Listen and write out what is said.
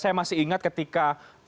saya masih ingat ketika